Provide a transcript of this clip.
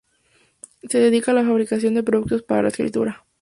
Se dedica a la fabricación de productos para la escritura.